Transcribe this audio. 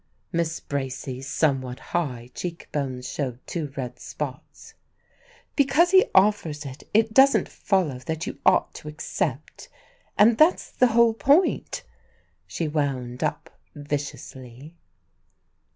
Miss Bracy's somewhat high cheekbones showed two red spots. "Because he offers it, it doesn't follow that you ought to accept. And that's the whole point," she wound up viciously.